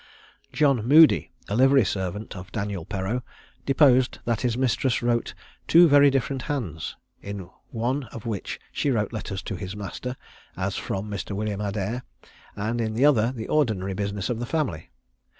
John Moody, a livery servant of Daniel Perreau, deposed that his mistress wrote two very different hands; in one of which she wrote letters to his master, as from Mr. William Adair, and in the other the ordinary business of the family.